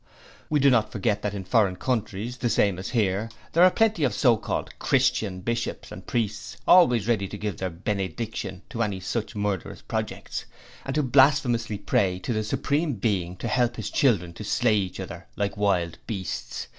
We do not forget that in foreign countries the same as here there are plenty of so called "Christian" bishops and priests always ready to give their benediction to any such murderous projects, and to blasphemously pray to the Supreme Being to help his children to slay each other like wild beasts.